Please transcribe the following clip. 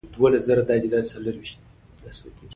بدخشان د افغانستان د سیاسي جغرافیه برخه ده.